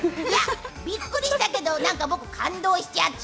びっくりしたけどなんか僕感動しちゃった。